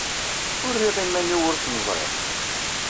Ur rriɣ iman-inu ur ten-ẓriɣ.